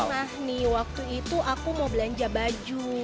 pernah nih waktu itu aku mau belanja baju